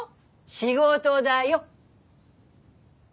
仕事だよ。